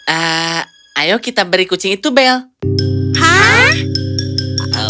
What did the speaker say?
eee ayo kita beri kucing itu belle